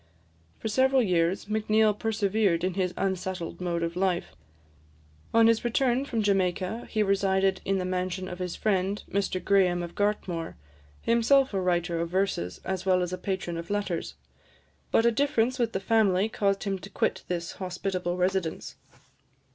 For several years, Macneill persevered in his unsettled mode of life. On his return from Jamaica, he resided in the mansion of his friend, Mr Graham of Gartmore, himself a writer of verses, as well as a patron of letters; but a difference with the family caused him to quit this hospitable residence.